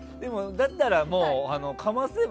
だったら、かませば？